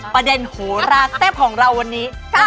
ประเด็นหรักเซฟของเราวันนี้